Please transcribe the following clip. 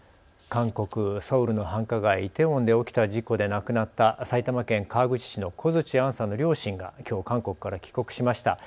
韓国・ソウルの繁華街、イテウォンで起きた事故で亡くなった埼玉県川口市の小槌杏さんの両親がきょう韓国から帰国しました。